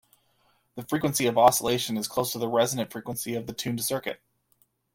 The frequency of oscillation is close to the resonant frequency of the tuned circuit.